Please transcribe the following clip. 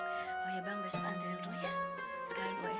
oh iya bang besok anterin dulu ya